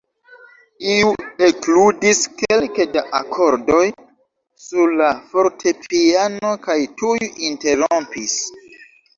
Iu ekludis kelke da akordoj sur la fortepiano kaj tuj interrompis.